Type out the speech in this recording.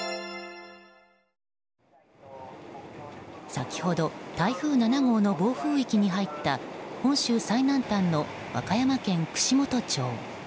先ほど台風７号の暴風域に入った本州最南端の和歌山県串本町。